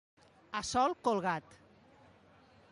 A sol colgat.